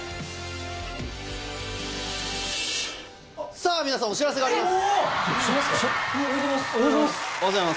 さぁ皆さんお知らせがあります。